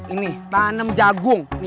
ini tanem jagung